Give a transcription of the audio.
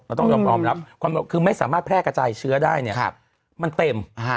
ต้องยอมรับความคือไม่สามารถแพร่กระจายเชื้อได้เนี่ยมันเต็ม